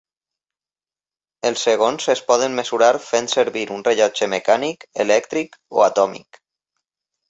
Els segons es poden mesurar fent servir un rellotge mecànic, elèctric o atòmic.